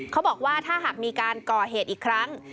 เขาบอกว่าถ้าหากมีการก่อเหตุอีกครั้ง